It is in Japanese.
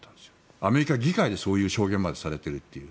アメリカ議会でそういう証言までされているという。